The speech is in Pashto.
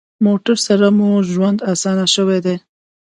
موټر سره مو ژوند اسانه شوی دی.